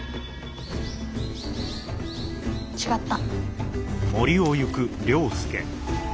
違った。